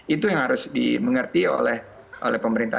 itu yang harus dimengerti oleh pemerintah